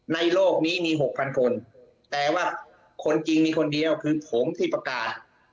โลกนี้มี๖๐๐คนแต่ว่าคนจริงมีคนเดียวคือผมที่ประกาศ